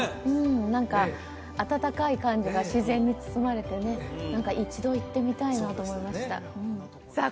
何か温かい感じが自然に包まれてね一度行ってみたいなと思いましたそうですよねさあ